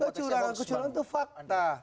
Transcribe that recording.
kecurangan kecurangan itu fakta